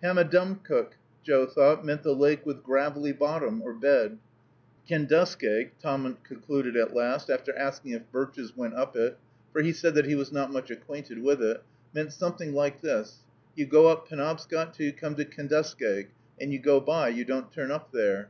Pammadumcook, Joe thought, meant the Lake with Gravelly Bottom or Bed. Kenduskeag, Tahmunt concluded at last, after asking if birches went up it, for he said that he was not much acquainted with it, meant something like this: "You go up Penobscot till you come to Kenduskeag, and you go by, you don't turn up there.